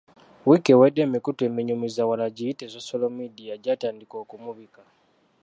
Wiiki ewedde, emikutu eminyumizawala giyite Sosolo midiya, gyatandika okumubika.